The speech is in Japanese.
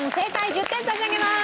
１０点差し上げます。